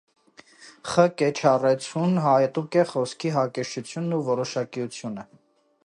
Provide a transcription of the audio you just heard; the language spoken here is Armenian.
Խ. Կեչառեցուն հատուկ է խոսքի հակիրճությունն ու որոշակիությունը։